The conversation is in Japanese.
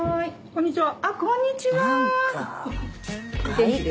こんにちは。